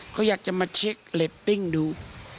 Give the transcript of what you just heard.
เขาอยากจะมาเช็คเรตติ้งดู